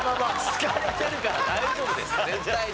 好かれてるから大丈夫です絶対に。